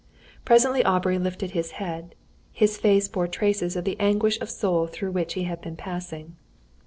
Presently Aubrey lifted his head. His face bore traces of the anguish of soul through which he had been passing.